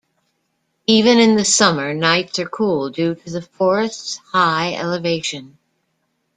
Even in the summer, nights are cool due to the forest's high elevation.